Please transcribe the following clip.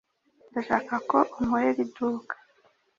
Ndashaka ko unkorera iduka.